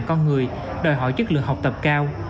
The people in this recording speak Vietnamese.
con người đòi hỏi chất lượng học tập cao